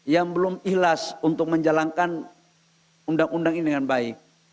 yang belum ikhlas untuk menjalankan undang undang ini dengan baik